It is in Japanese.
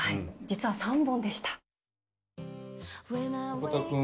実は３本でした。